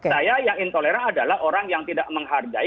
saya yang intoleran adalah orang yang tidak menghargai